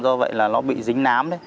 do vậy là nó bị dính nám